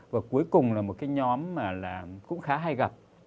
và cuối cùng là một cái nhóm mà cũng khá hay gặp